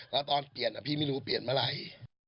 แล้วตอนเปลี่ยนพี่ไม่รู้เปลี่ยนเมื่อไหร่